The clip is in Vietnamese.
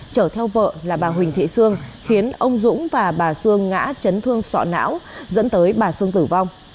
chở theo vợ là bà huỳnh thị sương khiến ông dũng và bà sương ngã chấn thương sọ não dẫn tới bà sương tử vong